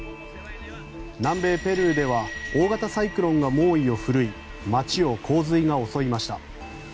南米ペルーでは大型サイクロンが猛威を振るい街を洪水が襲いました。